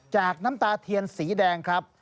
น้ำตาเทียนสีแดงครับ